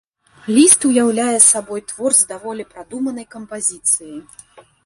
Ліст ўяўляе сабой твор з даволі прадуманай кампазіцыяй.